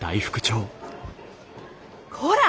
こら！